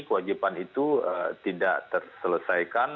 kewajiban itu tidak terselesaikan